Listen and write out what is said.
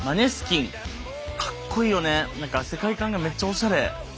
何か世界観がめっちゃオシャレ。